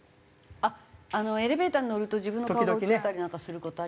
あっエレベーターに乗ると自分の顔が映ったりなんかする事ありますよね。